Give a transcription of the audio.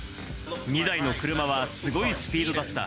２台の車はすごいスピードだった。